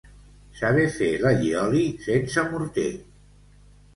Saber fer l'allioli sense morter.